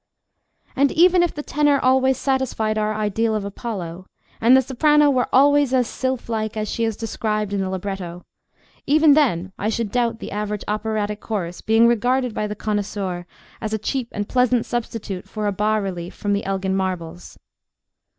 And even if the tenor always satisfied our ideal of Apollo, and the soprano were always as sylph like as she is described in the libretto, even then I should doubt the average operatic chorus being regarded by the connoisseur as a cheap and pleasant substitute for a bas relief from the Elgin marbles.